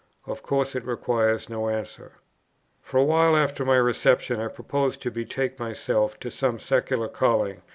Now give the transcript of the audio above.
Of course it requires no answer." For a while after my reception, I proposed to betake myself to some secular calling.